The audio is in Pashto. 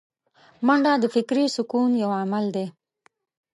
منډه د فکري سکون یو عمل دی